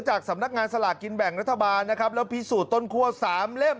จากสำนักงานสลากกินแบ่งรัฐบาลนะครับแล้วพิสูจนต้นคั่ว๓เล่ม